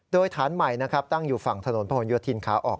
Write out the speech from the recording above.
โดยฐานใหม่นะครับตั้งอยู่ฝั่งถนนพะหนโยธินขาออก